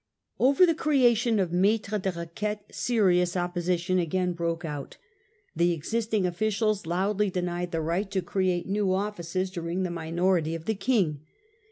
Over the creation of ?naitres de requites serious op position again broke out. The existing officials loudly denied the right to create new offices during the minority of the King.